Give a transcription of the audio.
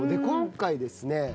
今回ですね。